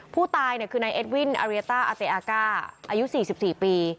ผู้ตายคือนายเอ็ดวินอาเรียต้าอาเตอาก้าอายุ๔๔ปี